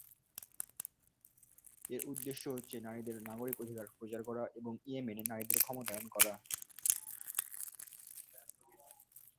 এর উদ্দেশ্য হচ্ছে নারীদের নাগরিক অধিকার প্রচার করা এবং ইয়েমেনে নারীদের ক্ষমতায়ন করা।